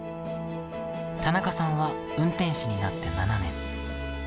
田中さんは運転士になって７年。